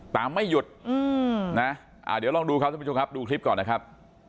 ไม่หยุดนะเดี๋ยวลองดูครับท่านผู้ชมครับดูคลิปก่อนนะครับ